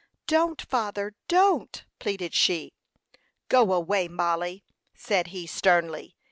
"Don't, father, don't!" pleaded she. "Go away, Mollie," said he, sternly.